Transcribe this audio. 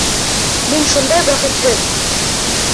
Мин шундай бәхетһеҙ!